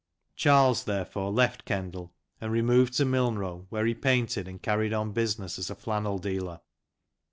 Charles therefore left Kendal and removed to Milnrow, where he painted, and carried on business as a flannel dealer.